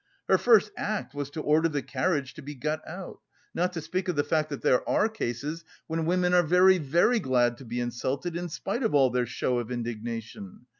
Her first act was to order the carriage to be got out.... Not to speak of the fact that there are cases when women are very, very glad to be insulted in spite of all their show of indignation.